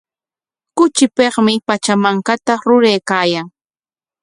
Kuchipikmi Pachamankata ruraykaayan.